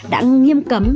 đã nghiêm cấm